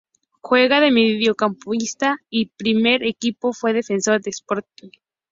Juega de mediocampista y primer equipo fue Defensor Sporting.